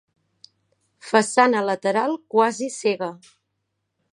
Façana lateral quasi cega.